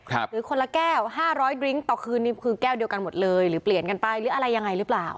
หรือคนละแก้ว๕๐๐ดริ้งต่อคืนนี้คือแก้วเดียวกันหมดเลยหรือเปลี่ยนกันไปหรืออะไรยังไงหรือเปล่า